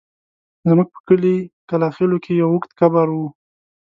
زموږ په کلي کلاخېلو کې يو اوږد قبر و.